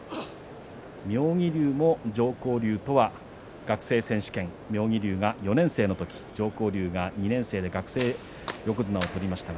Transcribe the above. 妙義龍も常幸龍とは学生選手権、妙義龍が４年生の時常幸龍が２年生で学生横綱を取りました。